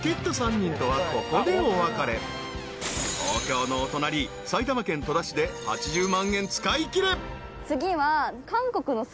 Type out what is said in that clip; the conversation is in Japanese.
［東京のお隣埼玉県戸田市で８０万円使いきれ］